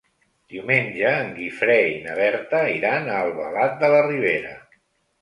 Diumenge en Guifré i na Berta iran a Albalat de la Ribera.